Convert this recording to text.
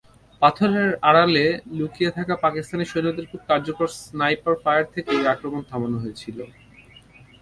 পাথরের আড়ালে লুকিয়ে থাকা পাকিস্তানি সৈন্যদের খুব কার্যকর স্নাইপার ফায়ার থেকেও এই আক্রমণ থামানো হয়েছিল।